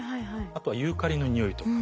あとはユーカリの匂いとか。